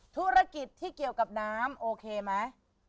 ธุรกิจที่เกี่ยวกับน้ำโอเคไหม